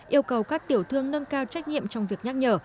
yêu cầu các tiểu thương nâng cao trách nhiệm trong việc nhắc nhở